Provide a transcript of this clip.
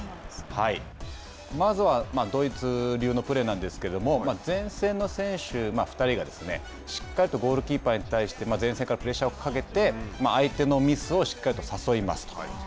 まずはドイツ流のプレーなんですけれども、前線の選手２人がしっかりとゴールキーパーに対して前線からプレッシャーをかけて相手のミスをしっかりと誘いますと。